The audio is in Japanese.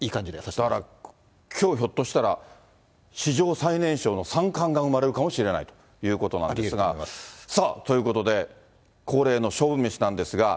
だから、きょうひょっとしたら、史上最年少の三冠が生まれるかもしれないということなんですが、さあ、ということで、恒例の勝負メシなんですが。